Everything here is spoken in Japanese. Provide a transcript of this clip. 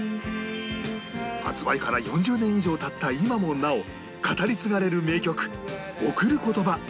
発売から４０年以上経った今もなお語り継がれる名曲『贈る言葉』